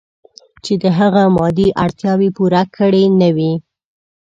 چې د هغه مادي اړتیاوې پوره کړې نه وي.